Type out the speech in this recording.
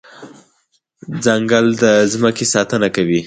ځنګل د ځمکې ساتنه کوي.